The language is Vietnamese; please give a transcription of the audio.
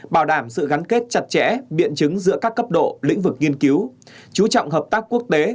bảo đảm sự gắn kết chặt chẽ biện chứng giữa các cấp độ lĩnh vực nghiên cứu chú trọng hợp tác quốc tế